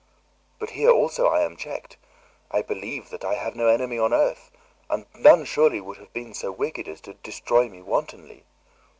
But here also I am checked. I believe that I have no enemy on earth, and none surely would have been so wicked as to destroy me wantonly.